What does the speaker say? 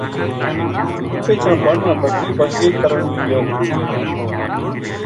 پِچھاں بن ما بکری بَٹلی کرن گیو